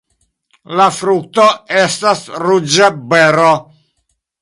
La frukto estas ruĝa bero.